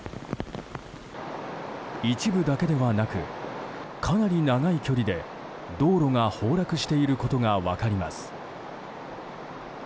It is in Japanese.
一部だけではなくかなり長い距離で道路が崩落していることが分かります。